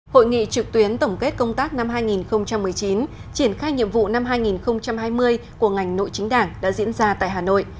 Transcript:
hội nghị trực tuyến tổng kết công tác năm hai nghìn một mươi chín triển khai nhiệm vụ năm hai nghìn hai mươi của ngành nội chính đảng đã diễn ra tại hà nội